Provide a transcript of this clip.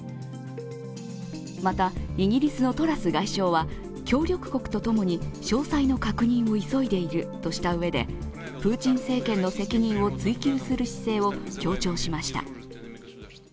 また、イギリスのトラス外相は協力国と共に詳細の確認を急いでいるとしたうえでプーチン政権の責任を追及する姿勢を強調しました。